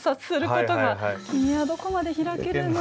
「君はどこまで開けるの？」